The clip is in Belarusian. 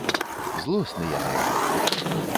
Злосны я на яго.